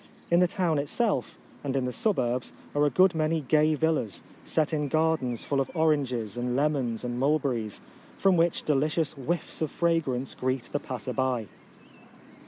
In the town itself, and in the suburbs, are a good many gay villas, set in gardens full of oranges and lemons and mulberries, from which delicious whiffs of fra grance greet the passer by.